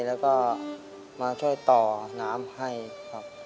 แล้วก็มาช่วยต่อน้ำให้ครับ